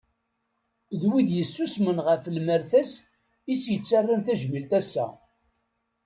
D wid yessusemen ɣef lmerta-s i s-yettarran tajmilt assa.